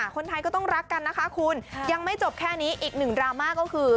คนไทยก็ต้องรักกันนะคะคุณยังไม่จบแค่นี้อีกหนึ่งดราม่าก็คือ